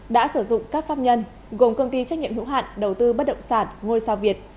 đã sử dụng các pháp nhân gồm công ty trách nhiệm hữu hạn đầu tư bất động sản ngôi sao việt